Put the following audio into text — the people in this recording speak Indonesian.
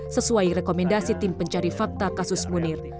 sesuai rekomendasi tim pencari fakta kasus munir